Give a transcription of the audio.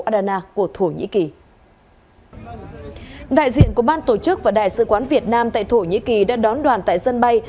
đại diện của ban tổ chức và đại sứ quán việt nam tại thổ nhĩ kỳ đã đón đoàn tại sân bay